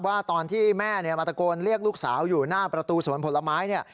ว่าตอนที่แม่มาตะโกนเรียกลูกสาวอยู่หน้าประตูสวนผลไม้เนี่ย